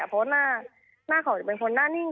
เพราะว่าหน้าเขาจะเป็นคนหน้านิ่ง